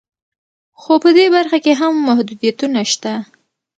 خو په دې برخه کې هم محدودیتونه شته